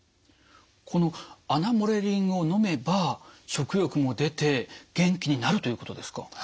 このアナモレリンをのめば食欲も出て元気になるということですか？